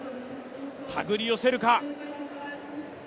たぐり寄せるか。